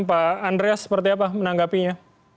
pak andreas seperti apa menanggapinya